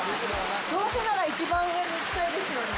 どうせなら、一番上に行きたいですよね。